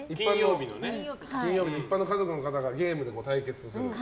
金曜日の一般の家族の方がゲームで対決する。